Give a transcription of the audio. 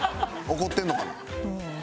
怒ってるのかも。